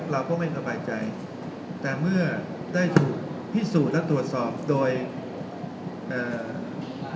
เราก็ไม่สบายใจแต่เมื่อได้ถูกพิสูจน์และตรวจสอบโดยเอ่อ